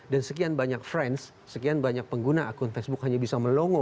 dan sekian banyak friends sekian banyak pengguna akun facebook hanya bisa melongo